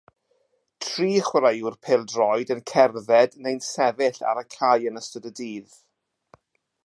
Tri chwaraewr pêl-droed yn cerdded neu'n sefyll ar y cae yn ystod y dydd.